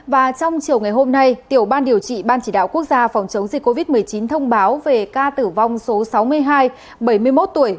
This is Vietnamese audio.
và trong chiều ngày hôm nay tiểu ban điều trị ban chỉ đạo quốc gia phòng chống dịch covid một mươi chín thông báo về ca tử vong số sáu mươi hai bảy mươi một tuổi